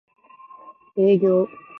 営業